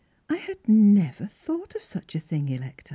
" I had never thought of such a thing, Electa.